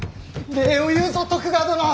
礼を言うぞ徳川殿！